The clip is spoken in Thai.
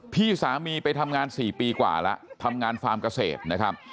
พี่สามีไปทำงาน๔ปีกว่าแล้วทำงานฟาร์มเกษตรนะครับ